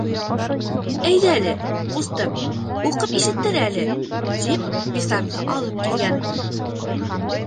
— Әйҙә әле, ҡустым, уҡып ишеттер әле, — тип писарҙы алып килгән.